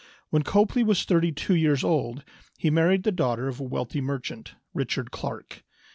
When Copley was thirty two years old he married the daughter of a wealthy merchant, Richard Clark.